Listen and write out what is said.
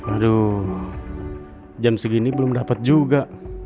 aduh jam segini belum dapat juga